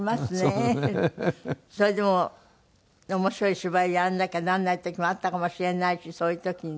それでも面白い芝居をやらなきゃなんない時もあったかもしれないしそういう時にね。